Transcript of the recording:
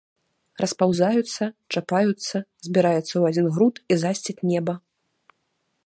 Распаўзаюцца, чапаюцца, збіраюцца ў адзін груд і засцяць неба.